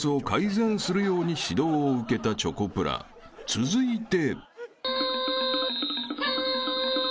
［続いて］